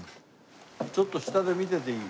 ちょっと下で見てていい？